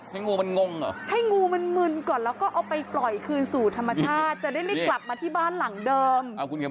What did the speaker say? งูมันงงเหรอให้งูมันมึนก่อนแล้วก็เอาไปปล่อยคืนสู่ธรรมชาติจะได้ไม่กลับมาที่บ้านหลังเดิม